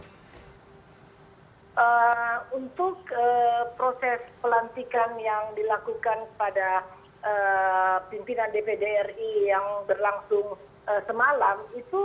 untuk proses pelantikan yang dilakukan kepada pimpinan dpd ri yang berlangsung semalam